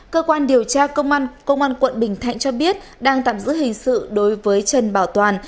cơ quan điều tra công an công an quận bình thạnh cho biết đang tạm giữ hình sự đối với trần bảo toàn